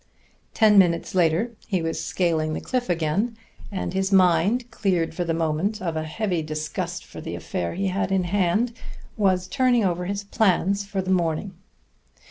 Ten minutes later he was scaling the cliff again, and his mind, cleared for the moment of a heavy disgust for the affair he had in hand, was turning over his plans for the morning.